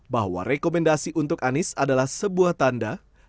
bahwa rekomendasi untuk anies adalah sebuah tanggung jawab